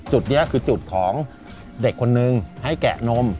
จุดนี้คือจุดของเด็กคนนึงให้แกะนม